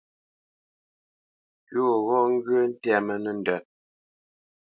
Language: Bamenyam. Pʉ̌ gho ghɔ́ ŋgyə̂ ntɛ́mə́ nəndə́t.